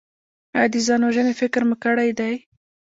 ایا د ځان وژنې فکر مو کړی دی؟